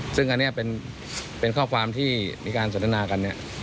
ซึ่งอันนี้เป็นข้อความที่มีการสนทนากันเนี่ย